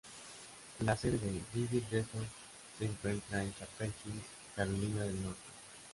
La sede de Divi Resorts se encuentra en Chapel Hill, Carolina del Norte.